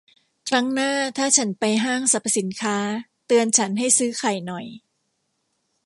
ครั้งหน้าถ้าฉันไปห้างสรรพสินค้า เตือนฉันให้ซื้อไข่หน่อย